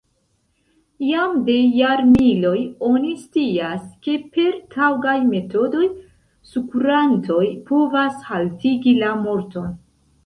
Jam de jarmiloj oni scias, ke per taŭgaj metodoj sukurantoj povas haltigi la morton.